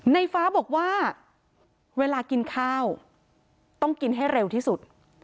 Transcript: ในฟ้าบอกว่าเวลากินข้าวต้องกินให้เร็วที่สุด